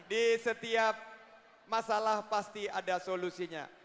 di setiap masalah pasti ada solusinya